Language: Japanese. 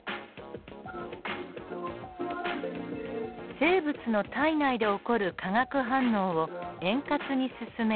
生物の体内で起こる化学反応を円滑に進める酵素。